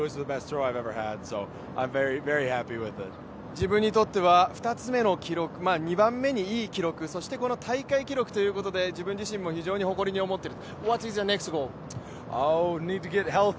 自分にとっては２番目にいい記録、そしてこの大会記録ということで、自分自身も非常に誇りに思っている。